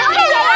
lihat dulu ya